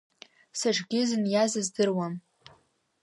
Сыҽгьы зыниаз аздыруам.